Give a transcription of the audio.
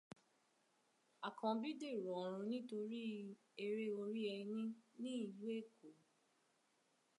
Àkànbí dèrò ọ̀run nítorí 'Eré orí ẹní' ní ìlú Èkó